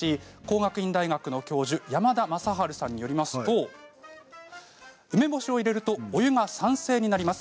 工学院大学の教授山田昌治さんによると梅干しを入れるとお湯が酸性になります。